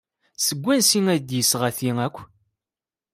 Seg wansi ay d-yesɣa ti akk?